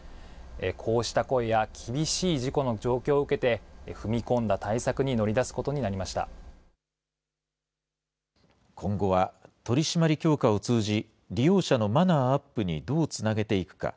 こうした声や、厳しい事故の状況を受けて、踏み込んだ対策に乗り出すことになり今後は、取締り強化を通じ、利用者のマナーアップにどうつなげていくか。